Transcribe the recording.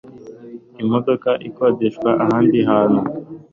imodoka ikodeshwa ahandi hantu?